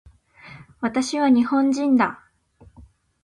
私は日本人だ